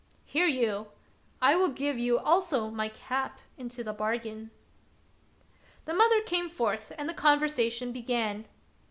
Hear you — I will give you also my cap into the bargain." The mother came forth and the conversation began.